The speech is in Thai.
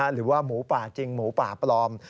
หรือว่าหมูป่าจริงหมูป่าปลอม